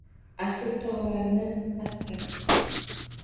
Asl tog’larni asra